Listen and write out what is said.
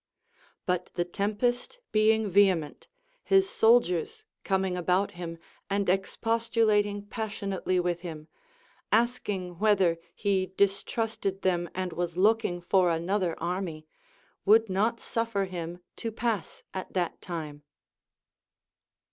But the tempest being vehement, his soldiers coming about him and expostuhiting passionately with him, asking whether he distrusted them and was looking for another army, would not suffer him to pass at that time.